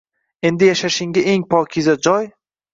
Endi yashashingga eng pokiza joy –